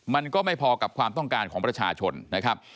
มันก็ไม่พอกับความต้องการของประชาชนนะครับ